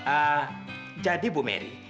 ah jadi bu merry